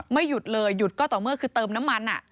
หยุดเลยหยุดก็ต่อเมื่อคือเติมน้ำมัน